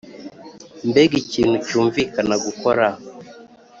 mbega ikintu cyumvikana gukora!